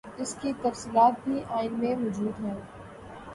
اس کی تفصیلات بھی آئین میں موجود ہیں۔